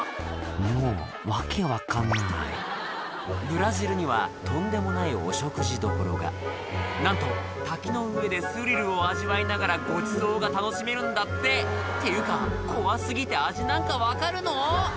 もう訳分かんないブラジルにはとんでもないお食事どころがなんと滝の上でスリルを味わいながらごちそうが楽しめるんだってっていうか怖過ぎて味なんか分かるの？